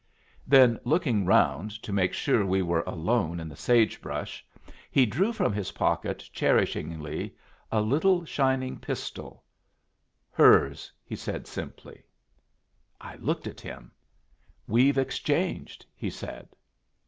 Then, looking round to make sure we were alone in the sage brush, he drew from his pocket, cherishingly, a little shining pistol. "Hers," said he, simply. I looked at him. "We've exchanged," he said.